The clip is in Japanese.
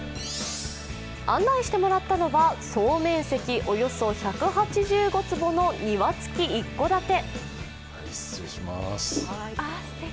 案内してもらったのは、総面積およそ１８５坪の庭付き一戸建て。